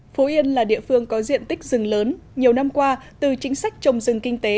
phú yên là địa phương có diện tích rừng lớn nhiều năm qua từ chính sách trồng rừng kinh tế